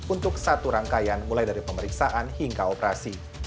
untuk satu rangkaian mulai dari pemeriksaan hingga operasi